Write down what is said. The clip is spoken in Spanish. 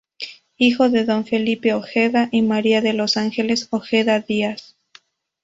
Hijo de don Felipe Ojeda y María de los Ángeles Ojeda Díaz.